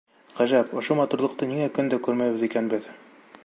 Ғәжәп, ошо матурлыҡты ниңә көн дә күрмәйбеҙ икән беҙ!